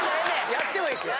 やってもいいですよ。